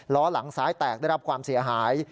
ล้อหลังซ้ายแตกได้รับความเสียหาย